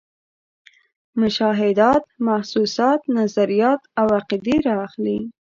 مشاهدات، محسوسات، نظریات او عقیدې را اخلي.